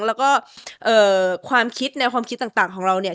แล้วก็ความคิดแนวความคิดต่างของเราเนี่ย